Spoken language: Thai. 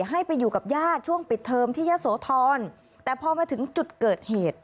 ให้ไปอยู่กับญาติช่วงปิดเทอมที่ยะโสธรแต่พอมาถึงจุดเกิดเหตุ